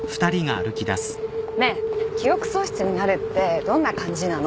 ねえ記憶喪失になるってどんな感じなの？